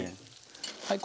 はい。